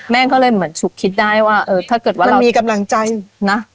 ก็เลยเหมือนฉุกคิดได้ว่าเออถ้าเกิดว่ามันมีกำลังใจนะ